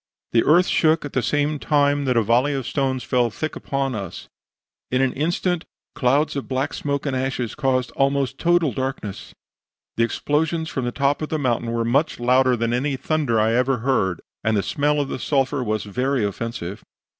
The earth shook at the same time that a volley of stones fell thick upon us; in an instant clouds of black smoke and ashes caused almost a total darkness; the explosions from the top of the mountain were much louder than any thunder I ever heard, and the smell of the sulphur was very offensive.